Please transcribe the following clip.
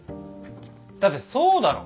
だってそうだろ？